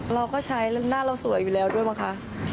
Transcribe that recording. เราก็ใช้หน้าเราสวยอยู่แล้วด้วยมั้งคะ